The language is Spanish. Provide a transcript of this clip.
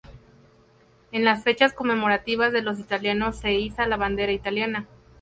En las fechas conmemorativas de los italianos se iza la bandera italiana.